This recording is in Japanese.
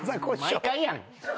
毎回やん。